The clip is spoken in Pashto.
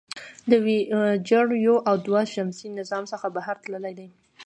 د وویجر یو او دوه د شمسي نظام څخه بهر تللي دي.